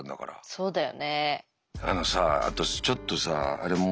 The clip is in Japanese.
そうだよ。